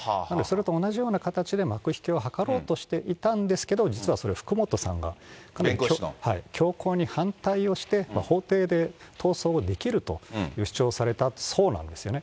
それと同じような形で、幕引きを図ろうしていたんですけど、実はそれ、福本さんが強行に反対をして、法廷で逃走できるという主張をされたそうなんですね。